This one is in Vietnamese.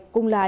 cùng là nhân